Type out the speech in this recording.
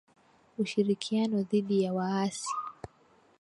Ushirikiano dhidi ya waasi